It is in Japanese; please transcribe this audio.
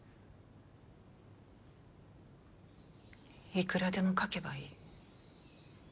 いくらでも描けばいい。